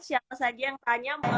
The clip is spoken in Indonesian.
siapa saja yang tanya